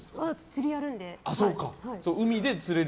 釣りやるんで。